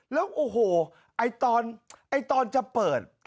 แล้วโอ้โหตอนจะเปิด